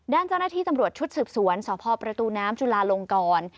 ด้านเจ้าหน้าที่ตำรวจชุดสืบสวนสพประตูน้ำจุลาลงกร